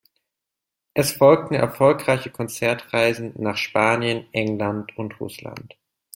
Es folgten erfolgreiche Konzertreisen nach Spanien, England und Russland.